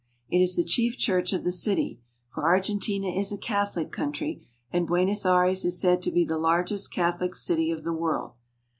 It is the chief church of the city ; for Argentina is a Catholic country, and Buenos Aires is said to be the largest Catholic city of the world.